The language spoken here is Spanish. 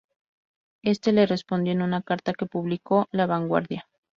Este le respondió en una carta que publicó "La Vanguardia".